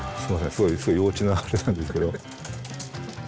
すごいすごい幼稚なあれなんですけど。